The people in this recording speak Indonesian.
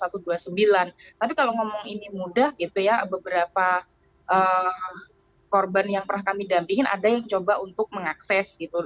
tapi kalau ngomong ini mudah gitu ya beberapa korban yang pernah kami dampingin ada yang coba untuk mengakses gitu